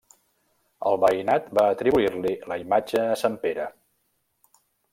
El veïnat va atribuir-li la imatge a Sant Pere.